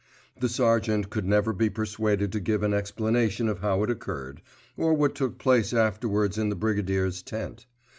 The sergeant could never be persuaded to give an explanation of how it occurred, or what took place afterwards in the Brigadier's tent.